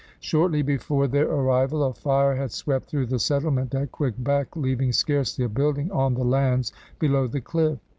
Shortly before their arrival a fire had swept through the settlement at QuebeCt leaving scarcely a building on the lands below the cliff.